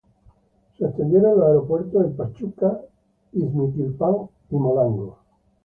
Se extendieron los aeropuertos en Pachuca, Ixmiquilpan y Molango.